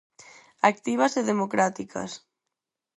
Activas e democráticas.